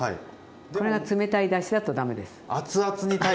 これが冷たいだしだとダメです。